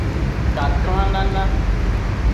Kaklanana.